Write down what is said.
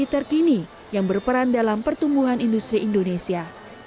kondisi terkini yang berperan dalam pertumbuhan industri indonesia